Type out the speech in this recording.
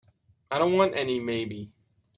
I don't want any maybe.